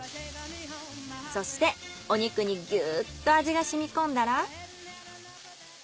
そしてお肉にギューッと味が染み込んだら。